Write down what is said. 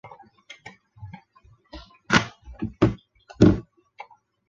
疏齿红丝线为茄科红丝线属下的一个变种。